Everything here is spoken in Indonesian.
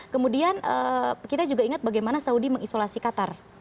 kemudian kita juga ingat bagaimana saudi mengisolasi qatar